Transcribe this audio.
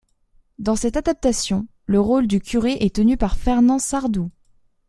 Dans cette adaptation, le rôle du curé est tenu par Fernand Sardou.